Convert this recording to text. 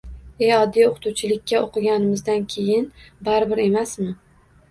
E, oddiy o`qituvchilikka o`qiganimizdan keyin baribir emasmi